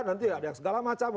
nanti ada yang segala macam